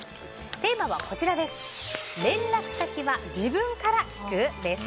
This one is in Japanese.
テーマは連絡先は自分から聞く？です。